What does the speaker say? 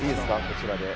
こちらで。